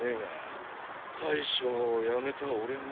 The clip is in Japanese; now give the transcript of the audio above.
大将を辞めた俺ねぇ。